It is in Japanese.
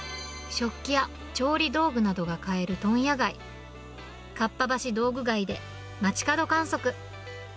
食器や調理道具などが買える問屋街、かっぱ橋道具街で街角観測。